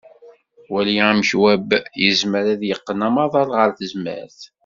Wali amek web yezmer ad yeqqen amaḍal ɣer tezmert.